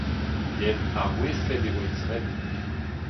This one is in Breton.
Yen ha rouestlet e oa he zremm.